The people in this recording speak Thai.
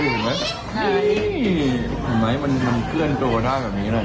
เห็นไหมมันเคลื่อนตัวท่าแบบนี้เลย